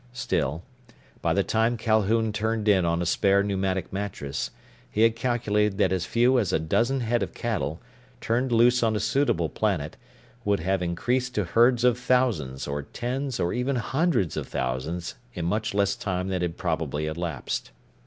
Still, by the time Calhoun turned in on a spare pneumatic mattress, he had calculated that as few as a dozen head of cattle, turned loose on a suitable planet, would have increased to herds of thousands or tens or even hundreds of thousands in much less time than had probably elapsed.